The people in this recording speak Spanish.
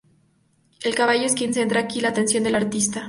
El caballo es quien centra aquí la atención del artista.